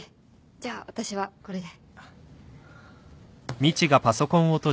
じゃあ私はこれで。